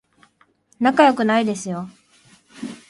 仲良くないですよ